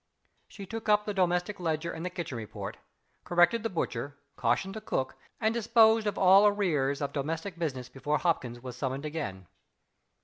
She took up the domestic ledger and the kitchen report; corrected the butcher; cautioned the cook; and disposed of all arrears of domestic business before Hopkins was summoned again.